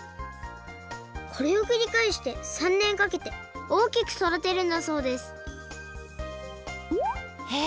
これをくりかえして３ねんかけておおきくそだてるんだそうですへえ